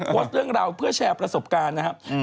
โพสต์เรื่องราวเพื่อแชร์ประสบการณ์นะครับ